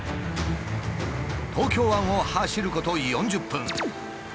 東京湾を走ること４０分。